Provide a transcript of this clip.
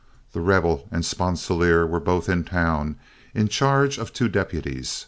The Rebel and Sponsilier were both in town, in charge of two deputies.